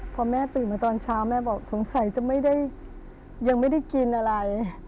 พอแม่ตื่นมาตอนเช้าแม่บอกสงสัยจะไม่ได้ยังไม่ได้กินอะไร